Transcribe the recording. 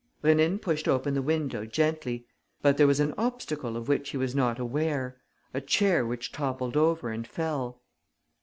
Rénine pushed open the window gently. But there was an obstacle of which he was not aware, a chair which toppled over and fell.